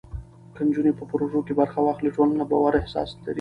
که نجونې په پروژو کې برخه واخلي، ټولنه د باور احساس لري.